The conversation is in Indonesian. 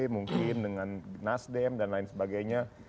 mungkin dengan nasdem dan lain sebagainya